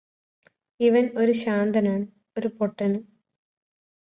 ഇവന് ഒരു ശാന്തനാണ് ഒരു പൊട്ടനും